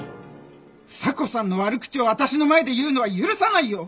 房子さんの悪口をあたしの前で言うのは許さないよ！